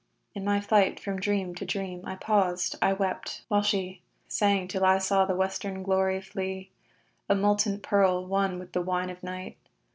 In my flight From dream to dream, I paused; I wept; while she Sang till I saw the western glory flee, A molten pearl, one with the wine of night.